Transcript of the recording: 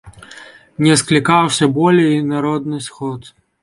Не склікаўся болей і народны сход.